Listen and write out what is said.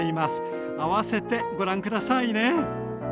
併せてご覧下さいね。